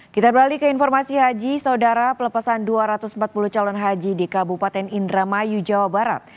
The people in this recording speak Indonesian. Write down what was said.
kita beralih ke informasi haji saudara pelepasan dua ratus empat puluh calon haji di kabupaten indramayu jawa barat